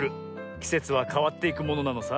きせつはかわっていくものなのさ。